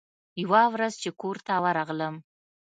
يوه ورځ چې کور ته ورغلم.